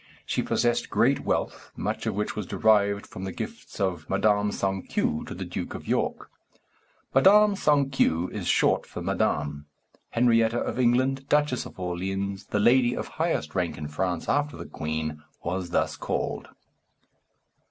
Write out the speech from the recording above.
She possessed great wealth, much of which was derived from the gifts of Madame sans queue to the Duke of York. Madame sans queue is short for Madame. Henrietta of England, Duchess of Orleans, the lady of highest rank in France after the queen, was thus called.